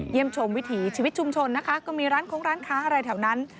เยี่ยมชมวิถีชีวิตชุมชนมีร้านคลงร้านค้าไฮร์ไหลต์แถวนั้น